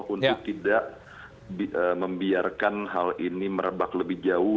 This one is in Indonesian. untuk tidak membiarkan hal ini merebak lebih jauh